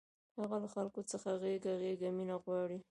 هغه له خلکو څخه غېږه غېږه مینه غواړي